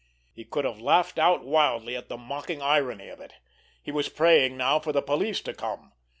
He could have laughed out wildly at the mocking irony of it. He was praying now for the police to come!